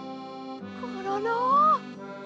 コロロ。